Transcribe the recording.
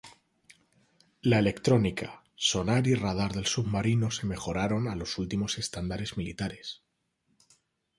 La electrónica, sonar y radar del submarino se mejoraron a los últimos estándares militares.